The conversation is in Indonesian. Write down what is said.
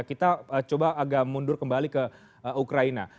kita coba agak mundur kembali ke ukraina